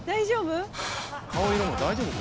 大丈夫？